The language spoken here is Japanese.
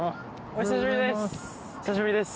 お久しぶりです！